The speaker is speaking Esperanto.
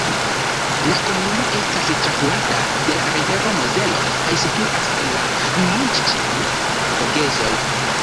La komunumo estas trafluata de la rivero Mozelo kaj situas en la montĉeno Vogezoj.